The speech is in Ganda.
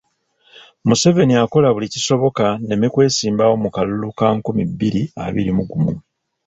Museveni akola buli kisoboka nneme kwesimbawo mu kalulu ka nkumi bbiri abiri mu gumu.